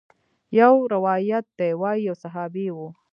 يو روايت ديه وايي يو صحابي و.